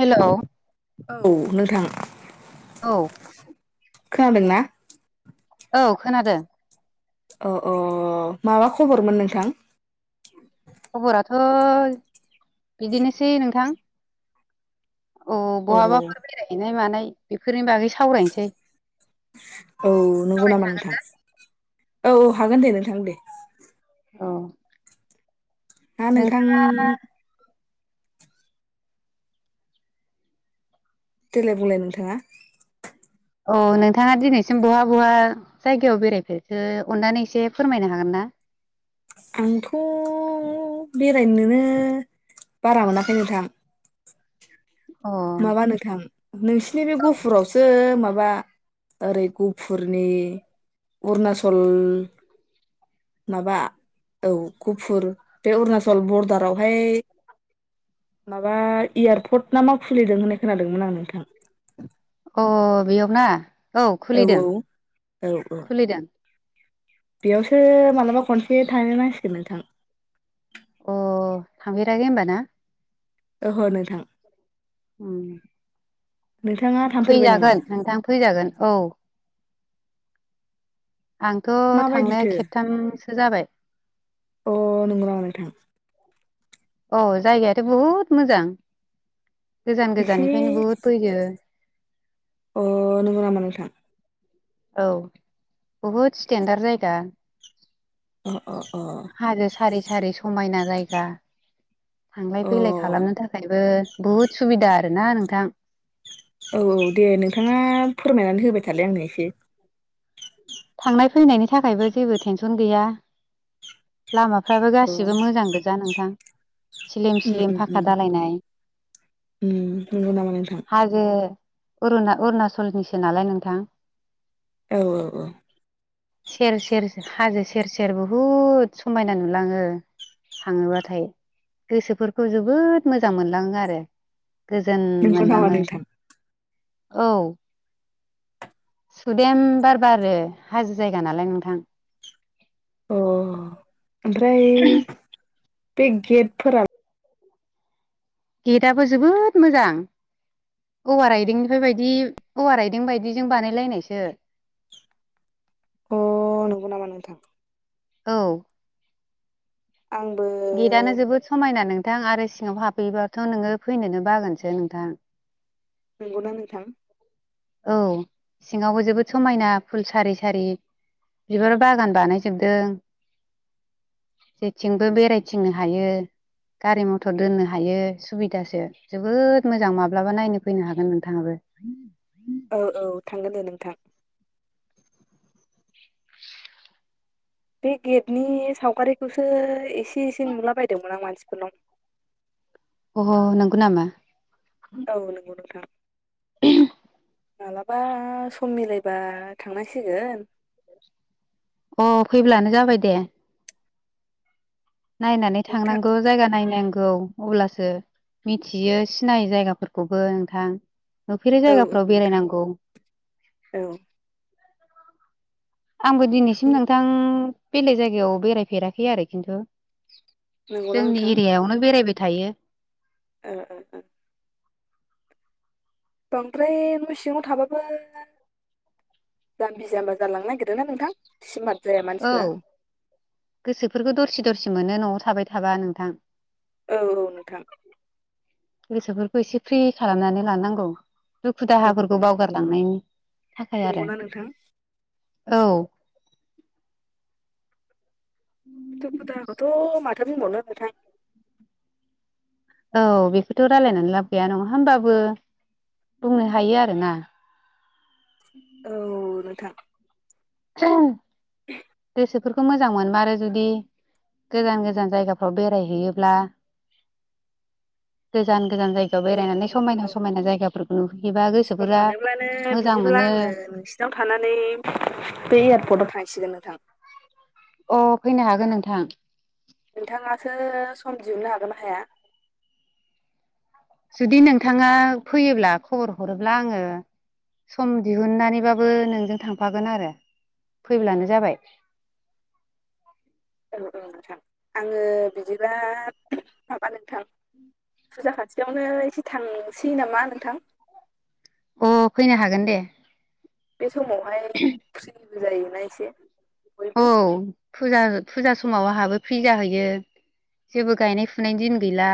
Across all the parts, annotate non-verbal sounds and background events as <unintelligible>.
Hello औ नोंथां औ खोनादोंना? औ खोनादों। औ अ माबा खबरमोन नोंथां। खबराथ' बिदिनोसै नोंथां। औ बहाबाफोर बेरायहैनाय मानाय बेफोरनि बागै सावरायनोसै। औ नंगौ नामा नोंथां औ औ हागोन दे नोंथां दे। औ हा नोंथां देलाय बुंलाय नोंथांङा। औ नोंथांङा दिनैसिम बहा बहा जायगायाव बेरायफेरखो अननानै एसे फोरमायनो हागोन ना। <inaudible> आंथ' बेरायनोनो। बारा मोनाखै नोंथां। अ माबा नोंथां नोंसिनि बे गुफुरावसो माबा <unintelligible> ओरै गुफुरनि अरुणाचल माबा औ गुफुर बे अरुणचल बर दारावहाय माबा एयारपर्ट नामा नुनाय खोनादोंमोन आं नोंथां। अ बेयाव ना औ खुलिदों औ औ खुलिदों। बेयावसो मालाबा खनसे थांनांसिगोन नोंथां। अ थांफैेरागै होमबाना? ओहो नोंथां। उम नोंथाङा थांफेरबाय नामा फैजागोन नोंथां फैजागोन औ। आंथ' थांनाया माबायदिथो खेबथामसो जाबाय। अ नंगौ नामा नोंथां? अ जायगायाथ' बुहुद मोजां । गोजान एसे गोजाननिफायनो बुहुद फैयो। अ नोंगौ नामा नोंथां? औ बुहुद स्टेेनर्डा जायगा अ अ अ । हाजो सारि सारि समायना जायगा । थांलाय अ फैलाय औ खालामनो थाखायबो बुहुद सुबिदा आरोना नोंथां। औ औ दे नोंथाङा फोरमायनानै होबाय थालाय आंनो एसे थांनाय फैनायनि थाखायबो जेबो टेनसन गैया। लामाफ्राबो अ गासिबो मोजां गोजा नोंथां। स्लिम उम स्लिम उम उम फाखा दालायनाय उम नंगौ नामा नोंथां? अरुणा अरुणाचलनिसो नालाय नोंथां। औ औ औ। सेर सेर हाजो सेर सेर बुहुद समायना नुलाङो। थाङोबाथाय गोसोफोरखौ जोबोद मोजां मोनलाङो आरो। गोजोन नंगौ नामा मोनलाङो नोंथां औ। सुदेम बार बारो हाजो जायगा नालाय नोंथां। अ ओमफ्राय बे गेटफोरा गेटआबो जोबोद मोजां। औवा राइदेंनिफाय बायदि औवा राइदें बायदि जों बानायलायनायसो । <inaudible> अ नंगौ नामा नोंथां? औ। आंबो गेटआनो जोबोद समायना नों नोंथां आरो सिङाव हाबफैबाथ' नोङो फैनोनो बागोनसो नोंथां। नंगौ ना नोंथां? औ सिङावबो जोबोद समायना फुल सारि सारि बिबार बागान बानायजोबदों। जेथिंबो बेरायथिंनो हायो। गारि मथर दोननो हायो सुबिदासो जोबोद मोजां माब्लाबा नायनो फैनो हागोन नोंथाङाबो। <inaudible> औ औ थांगोन दे नोंथां। बे गेटनि सावगारिखौसो एसे एसे नुलाबायदोंमोन आं मानसिफोरनाव अह नंगौ नामा? औ नंगौ नोंथां। <inaudible> मालाबा सम मिलायबा थांनांसिगोन। अ फैब्लानो जाबाय दे। नायनानै नोंथां थांनांगौ जायगा नायनांग गौ अब्लासो मिथियो सिनायो जायगाफोरखौबो नोंथां। नुफेरै औ औ जायगाफोराव नोंथां बेरायनांगौ। औ आंबो दिनैसिम नोंथां बेलेग जायगायाव बेरायफेराखै आरो खिन्थु। नंगौना जोंनि नोंथां एरियायावनो बेरायबाय थायो। ओ ओ ओ। बांद्राय न' सिङाव थाबाबो जाम्बि जाम्बा जालांनो नागिरोना नोंथां सिमार्ट औ गोसोफोरखौ दरसि दरसि मोनो न'आव थाबाय थाबा नोंथां। औ औ नोंथां। गोसोफोरखौ एसे फ्रि खालामनानै लानांगौ दुखु औ दाहाफोरखौ बावगारलांनायनि। थाखाय आरो नंगौना नोंथां औ। दुखु दाहाखौथ' माथो माथो बुंबावनो नोंथां। औ बेखौथ' रायलायनानै लाब गैया नङा होमबाबो बुंनो हायो आरोना। औ नोंथां। <inaudible> गोसोफोरखौ मोजां मोनमारो जुदि गोजान गोजान जायगाफ्राव बेरायहैयोब्ला गोजान गोजान जायगायाव औ बेरायनानै समायना नोंथां औ समायना जायगाफोरखौ नुहैयोबा सम गोसोफोरा मोनोब्लानो मोजां बिदिब्ला मोनो। आङो नोंसिनाव थानानै बे एयारपर्टआव थांसिगोन नोंथां। अ फैनो हागोन नोंथां। नोंथांआसो सम दिहुननो हागोन हाया जुदि नोंथाङा फैयोब्ला खबर हरोब्ला आङो सम दिहुननानैबाबो नोंजों थांफागोन आरो फैब्लानो जाबाय। <inaudible> औ औ नोंथां आङो बिदिब्ला माबा नोंथां फुजा खाथियावनो एसे थांसै नामा नोंथां अ फैनो हागोन दे। बे समावहाय फ्रिबो जायोना एसे। औ बयबो फुजा फुजा समाव आहाबो फ्रि जाहैयो जेबो गायनाय फुनायनि दिन गैला।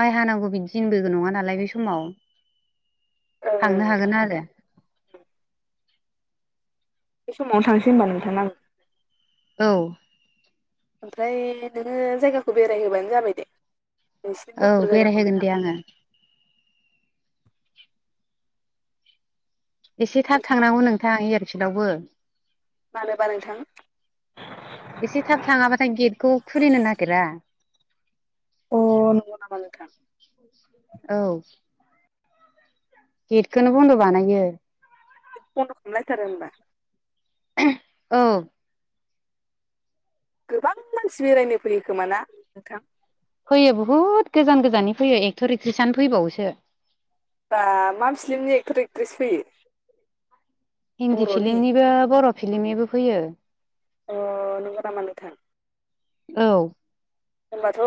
माइ हानांगौ बिदि दिनबो नङा नालाय बे समाव। ओं ओं थांनो नोंथां हागोन ओं। आरो बे समावनो थांस औ ओमफ्राय नोङो जायगाखौ बेरायहोबानो जाबाय दे। नोंसिनि गुफुर औ जायगाखौ बेरायहोगोन नोंथां दे आङो। एसे थाब नोंथां थांनांगौ नोंथां एयारफिल्डआवबो। मानोबा नोंथां एसे थाब थाङाबाथाय गेटखौ खुलिनो नागिरा। अ नंगौ नामा नोंथां औ गेटखोनो बन्द' बानायो। बन्द' खालाम लायथारो होमबा औ गोबां मानसि बेरायनो फैयो खोमा ना नोंथां फैयो बुहुद गोजान गोजाननि फैयो एक्ट'र एक्ट्रिसआनो फैबावोसो। बा मा फिल्मनि एक्टर एक्ट्रिस फैयो हिन्दी बर'नि फिलिमनिबो बर' फिलिमनिबो फैयो। अ नोंगौ नामा नोंथां औ होमबाथ'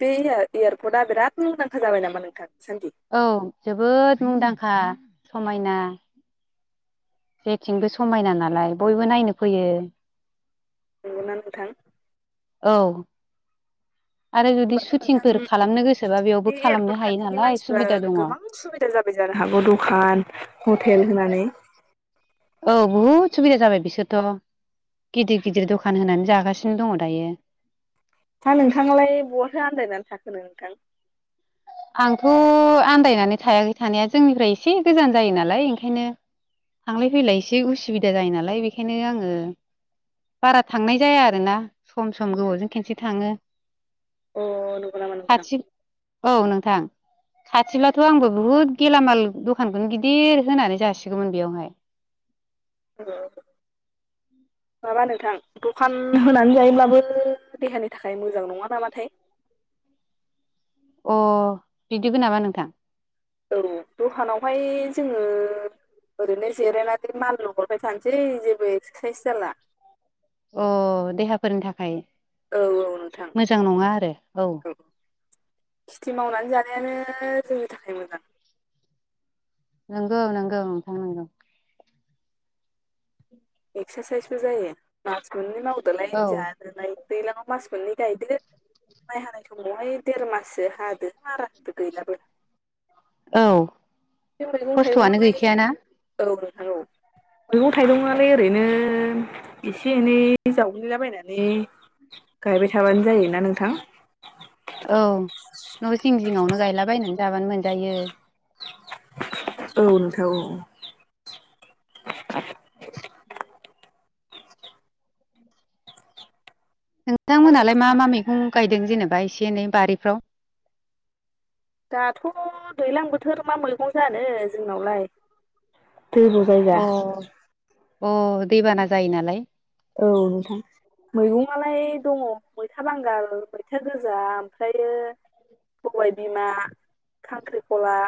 बे एयार एयारपर्टआ बिराद मुंदांखा जाबाय नामा नोंथां सान्दि औ जोबोद मुंदांखा समायना जेथिंबो समायना नालाय बयबो नायनो फैयो नंगौना नोंथां औ आरो जुदि होनबाथ' सुटिंफोर खालामनो गोसोबा नोंथां बेयावबो बे खालामनो एयारपर्ट हायो खाथिनि नालाय मानसिफ्रा सुबिदा दङ गोबां सुबिदा जाबाय जा जानो हागौ दखान हटेल होनानै औ बहुद सुबिदा जाबाय बिसोरथ' गिदिर गिदिर दखान होनानै जागासिनो दङ दायो होनो नोंथां आंथ' आन्दायनानै थायाखै थानाया जोंनिफ्राय एसे गोजान जायो नालाय ओंखायनो थांलाय फैलाय एसे उसुबिदा जायो नालाय बेखायनो आङो बारा थांनाय जाया आरोना सम सम गोबावजों खनसे थाङो अ नंगौ नामा नोंथां खाथि औ नोंथां खाथिब्लाथ' आंबो बुहुद गेलामाल दखानखौनो गिदिर होनानै जासिगौमोन बेयावहाय औ माबा नोंथां दखान होनानै जायोब्लाबो देहानि थाखाय मोजां नङा नामाथाय अ बिदिबो नामा नोंथां औ दहानावहाय जोङो ओरैनो जिरायनानै माल लुहरबाय थानोसै जेबो एक्सारसाइस जाला अ देहाफोरनि थाखाय औ औ नोंथां मोजां नङा आरो औ खेथि मावनानै जानायानो जोंनि थाखाय मोजां नंगौ नंगौ नोंथां नोंगौ एक्सारसाइसबो जायो मास मोननै मावदोलाय औ जादोलाय दैलाङाव मास मोननै गायदो माइ हानाय समावहाय देर माससो हादो मारा होदो गैलाबबो औ खस्थ'आनो थाइगंआलाय गैखायाना औ नोंथां औ <unintelligible> मैगं थाइगंआलाय ओरैनो एसे एनै जावग्लिलाबायनानै गायबाय थाबानो जायोना नोंथां औ न' सिं जिङावनो गायलाबायनानै जाबानो मोनजायो औ नोंथां औ हा नोंथांमोनहालाय मा नोंथां मा मैगं गायदों जेनेबा एसे एनै बारिफ्राव दाथ' दैज्लां बोथोर मा मैगं जानो जोंनावलाय दैबो जायगा अ अ दैबाना जायो नालाय औ नोंथां मैगंआलाय दङ मैथा बांगाल मैथा गोजा ओमफ्रायो सबाय बिमा खांख्रिखला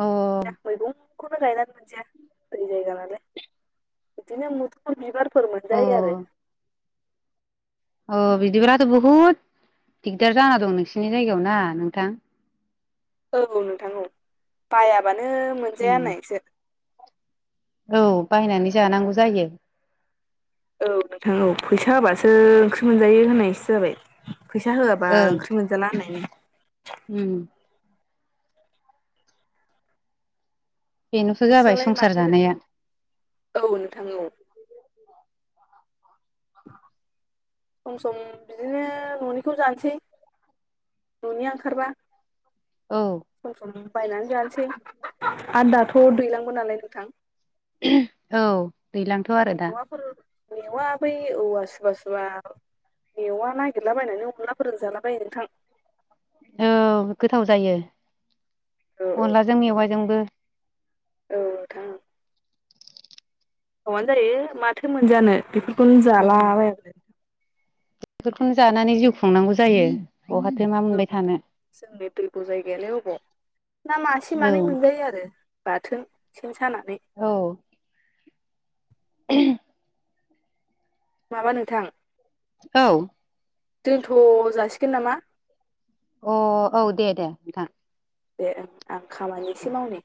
अ <inaudible> खौनो गायनानै मोनजाया दै जायगानालाय बिदिनो मोदोफोल बिबार फोर अ मोनजायो आरो अ बिदिब्लाथ' बुहुद दिगदार जाना दं नोंसिनि जायगायाव ना नोंथां औ नोंथां औ बायाबानो उम मोनजाया होननायसो औ बायनानै जानांगौ जायो औ नोंथां औ फैसा हाबासो ओंख्रि मोनजायो होननायसो जाबाय फैसा होआबा ओं ओंख्रि मोनजाला होननायनि उम बेनोथ' जाबाय नोंस्रालाय संसार माथो जानाया औ नोंथां औ सम - सम बिदिनो न'निखौ जानोसै न'निया ओंखारबा औ सम - सम बायनानैजानोसै आ दाथ' थ' दैलांबो नालाय नोंथां औ दैलांथ' आरो दा मेवाफोर मेवा बै औवा सुबा - सुबा मेवआ नागिरलाबायनानै अनला फोरजाला बायो नोंथां औ गोथाव जायो औ अनलाजों मेवाजोंबो औ थां हाबानो जायो माथो मोनजानो बेफोरखौनो उम जालाबायै बेफोरखौनो जानानै जिउ खुंनांगौ जायो बहाथो मा मोनबाय थानो जोंनि दैगु जायगायालाय अबाव ना मासे मानै मोनजायो आरो बाथोन सेन सानानै <inaudible> माबा नोंथां औ दोनथ' जासिगोन नामा अ औ दे -दे नोंथां देओ आं खामानि एसे मावनि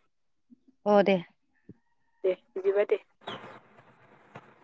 अ दे दे बिदिबा दे